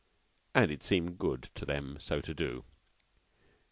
And it seemed good to them so to do.